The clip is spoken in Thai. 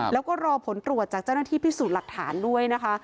แล้วก็รอผลตรวจจากเจ้าหน้าที่พิสูจน์หลักฐานด้วยนะคะ